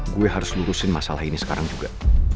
gue harus lurusin masalah ini sekarang juga